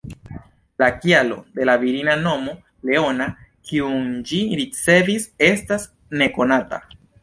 La kialo de la virina nomo, ""Leona"", kiun ĝi ricevis, estas nekonata.